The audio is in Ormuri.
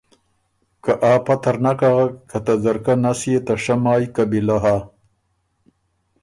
که آ پته ر نک اغک که ته ځرکۀ نس يې ته شۀ مای قبیلۀ هۀ